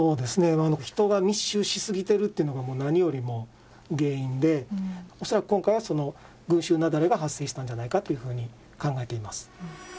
人が密集しすぎてるってのが、もう何よりも原因で、恐らく今回は、群衆雪崩が発生したんじゃないかというふうに考えています。